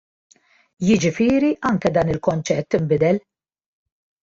Jiġifieri anke dan il-konċett inbidel.